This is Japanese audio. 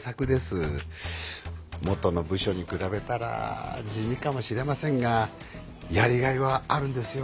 もとの部署に比べたら地味かもしれませんがやりがいはあるんですよ。